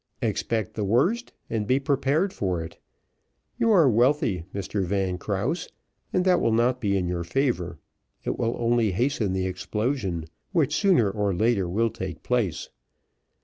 "Expect the worst and be prepared for it you are wealthy, Mr Van Krause, and that will not be in your favour, it will only hasten the explosion, which sooner or later will take place.